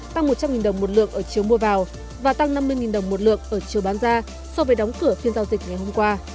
tăng một trăm linh đồng một lượng ở chiều mua vào và tăng năm mươi đồng một lượng ở chiều bán ra so với đóng cửa phiên giao dịch ngày hôm qua